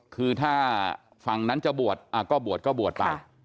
คือถ้าฝั่งนั้นจะบวชก็บวชก็บวชไป